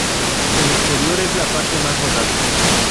El exterior es la parte más notable.